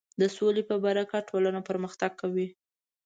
د سولې په برکت ټولنه پرمختګ کوي.